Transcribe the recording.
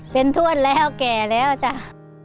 เป็นถ้วนแล้วแก่แล้วจ้ะ